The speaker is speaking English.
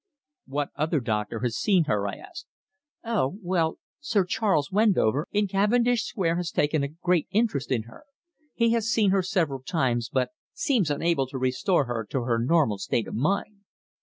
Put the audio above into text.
"What other doctor has seen her?" I asked. "Oh! well, Sir Charles Wendover, in Cavendish Square, has taken a great interest in her. He has seen her several times, but seems unable to restore her to her normal state of mind."